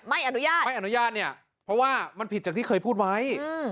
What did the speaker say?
ไม่อนุญาตไม่อนุญาตเนี่ยเพราะว่ามันผิดจากที่เคยพูดไว้